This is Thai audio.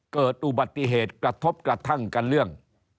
เกิดอุบัติเหตุกระทบกระทั่งกันเรื่อง